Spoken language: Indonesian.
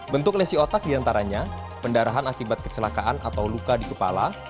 bentuk lesi otak diantaranya pendarahan akibat kecelakaan atau luka di kepala